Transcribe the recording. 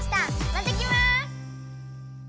また来ます！